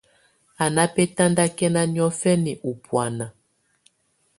Á ná bɛ́tandakɛ́na niɔ̀fɛna ú bùána.